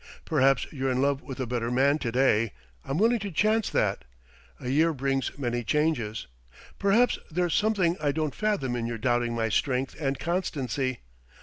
Perhaps you're in love with a better man today; I'm willing to chance that; a year brings many changes. Perhaps there's something I don't fathom in your doubting my strength and constancy.